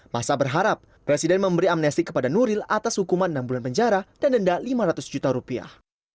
masa berharap presiden memberi amnesti kepada nuril atas hukuman enam bulan penjara dan denda lima ratus juta rupiah